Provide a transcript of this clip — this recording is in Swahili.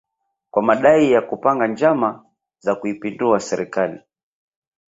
kwa madai ya kupanga njama za kuipindua serikali